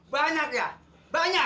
banyak ya banyak